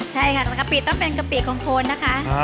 ใช่ค่ะกะปิต้องเป็นกะปิคองโคนนะคะ